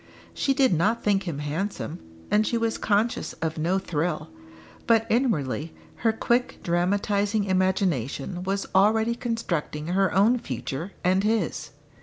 She did not think him handsome, and she was conscious of no thrill. But inwardly her quick dramatising imagination was already constructing her own future and his.